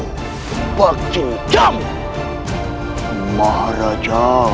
ampun busti prabu amukmarukul